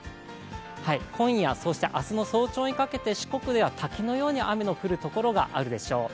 今夜、そして明日の早朝にかけて四国では滝のように雨の降るところがあるでしょう。